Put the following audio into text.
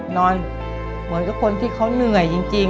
นอนเหมือนกับคนที่เขาเหนื่อยจริง